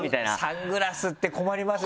サングラスって困りますよね。